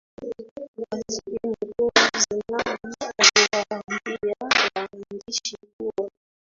waziri mkuu zenawi amewaambia waandishi kuwa